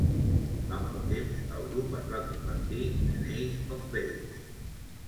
Amb el temps, el grup es va convertir en Ace of Base.